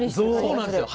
そうなんですよ。